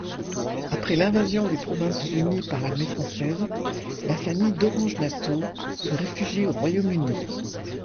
Après l'invasion des Provinces-Unies par l'armée française, la famille d'Orange-Nassau se réfugie au Royaume-Uni.